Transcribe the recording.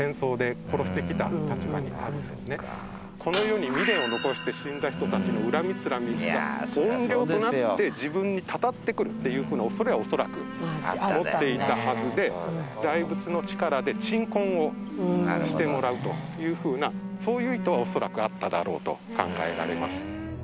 この世に未練を残して死んだ人たちの恨みつらみが怨霊となって自分にたたってくるっていうふうな恐れは恐らく持っていたはずで大仏の力で鎮魂をしてもらうというふうなそういう意図は恐らくあっただろうと考えられます。